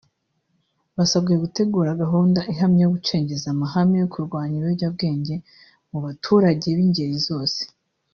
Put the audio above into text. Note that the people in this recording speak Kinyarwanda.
basabwe gutegura gahunda ihamye yo gucengeza amahame yo gurwanya ibiyobyabwenge mu baturage b’ingeri zose